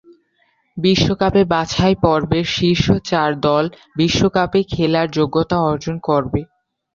বিশ্বকাপে বাছাইপর্বের শীর্ষ চার দল বিশ্বকাপে খেলার যোগ্যতা অর্জন করবে।